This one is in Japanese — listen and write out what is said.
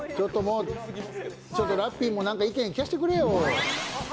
ちょっとラッピーも意見聞かせてくれよ。